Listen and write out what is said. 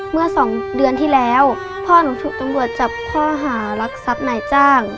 เมื่อสองเดือนที่แล้วพ่อหนูถูกตำรวจจับข้อหารักทรัพย์นายจ้าง